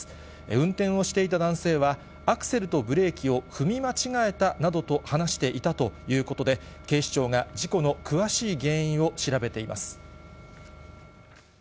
運転をしていた男性は、アクセルとブレーキを踏み間違えたなどと話していたということで、警視庁が事故の詳しい原因を調べています。